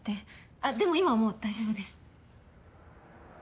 あっでも今はもう大丈夫です。